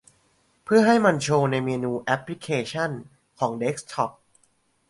เพื่อให้มันโชว์ในเมนูแอปพลิเคชันของเดสก์ท็อป